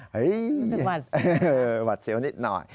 เห้ยหวัดเสียวนิดหน่อยหวัดเสียวนิดหน่อย